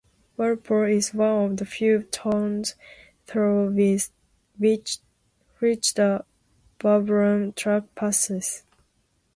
Walpole is one of the few towns through which the Bibbulmun Track passes.